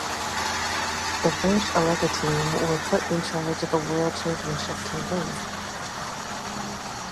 The French Oreca team were put in charge of the world championship campaign.